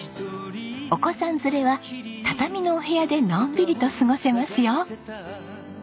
お子さん連れは畳のお部屋でのんびりと過ごせますよ。